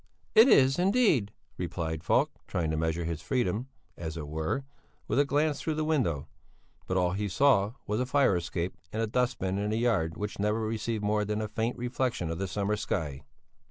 "It is, indeed!" replied Falk, trying to measure his freedom, as it were, with a glance through the window; but all he saw was a fire escape and a dust bin in a yard which never received more than a faint reflexion of the summer sky.